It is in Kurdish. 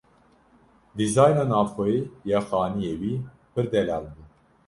Dîzayna navxweyî ya xaniyê wî pir delal bû.